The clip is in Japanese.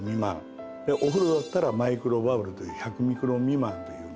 お風呂だったらマイクロバブルという１００ミクロン未満というね。